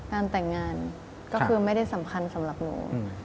งานแต่งงานก็คือไม่ได้สำคัญสำหรับหนู